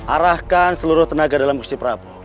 arahkan seluruh tenaga dalam muslih prabu